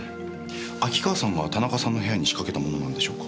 秋川さんが田中さんの部屋に仕掛けたものなんでしょうか。